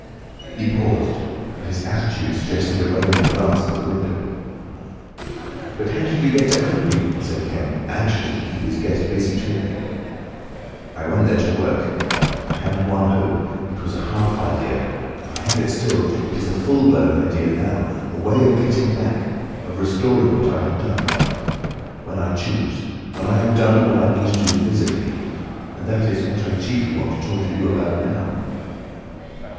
He paused, and his attitude suggested a roving glance at the window. "But how did you get to Iping?" said Kemp, anxious to keep his guest busy talking. "I went there to work. I had one hope. It was a half idea! I have it still. It is a full blown idea now. A way of getting back! Of restoring what I have done. When I choose. When I have done all I mean to do invisibly. And that is what I chiefly want to talk to you about now."